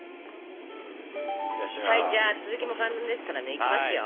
じゃあ続きも簡単ですからねいきますよ。